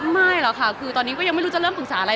ไม่หรอกค่ะคือตอนนี้ก็ยังไม่รู้จะเริ่มปรึกษาอะไร